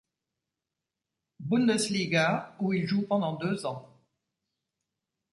Bundesliga, où il joue pendant deux ans.